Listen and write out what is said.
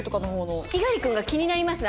猪狩君が気になりますね